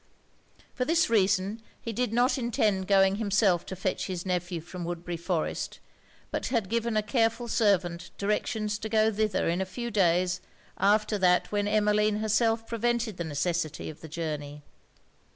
For this reason he did not intend going himself to fetch his nephew from Woodbury Forest, but had given a careful servant directions to go thither in a few days after that when Emmeline herself prevented the necessity of the journey.